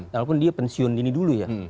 walaupun dia pensiun dini dulu ya